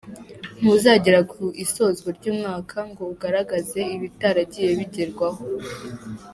Ntuzagera ku isozwa ry’umwaka ngo ugaragaraze ibitaragiye bigerwaho.